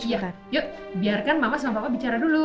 yuk biarkan mama sama papa bicara dulu